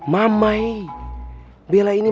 gue radiant abrasawa